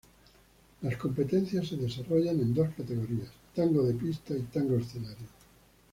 Las competencias se desarrollan en dos categorías: tango de pista y tango escenario.